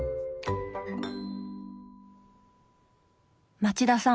町田さん